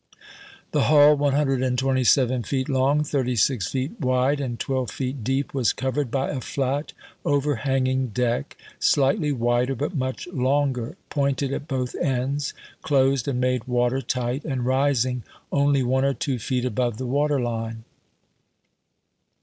The hull, 127 feet long, 36 feet wide, and 12 feet deep, was covered by a flat, overhanging deck, slightly wider but much longer, pointed at both ends, closed and made water tight, and rising only one or two feet above the water line.